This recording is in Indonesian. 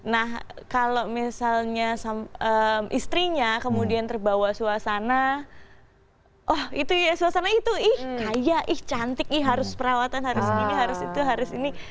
nah kalau misalnya istrinya kemudian terbawa suasana oh itu ya suasana itu ih kaya ih cantik ih harus perawatan harus ini harus itu harus ini